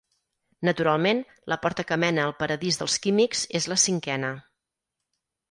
Naturalment, la porta que mena al paradís dels químics és la cinquena.